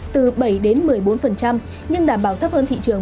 từ bảy đến một mươi bốn nhưng đảm bảo thấp hơn thị trường